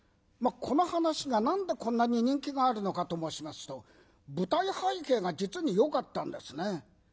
この噺が何でこんなに人気があるのかと申しますと舞台背景が実によかったんですね。